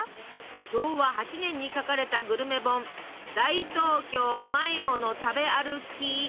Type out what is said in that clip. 昭和８年に書かれたグルメ本「大東京うまいもの食べある記」。